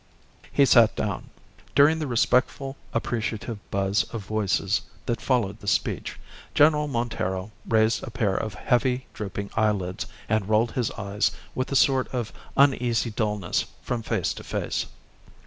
He sat down. During the respectful, appreciative buzz of voices that followed the speech, General Montero raised a pair of heavy, drooping eyelids and rolled his eyes with a sort of uneasy dullness from face to face.